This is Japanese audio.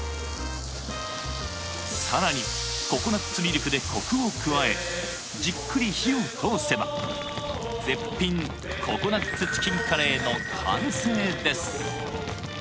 さらにココナッツミルクでコクを加えじっくり火を通せば絶品ココナッツチキンカレーの完成です